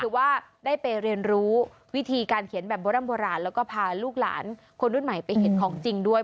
ว่าได้ไปเรียนรู้วิธีการเขียนแบบโบร่ำโบราณแล้วก็พาลูกหลานคนรุ่นใหม่ไปเห็นของจริงด้วย